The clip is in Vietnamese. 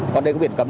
còn đây có biển cấm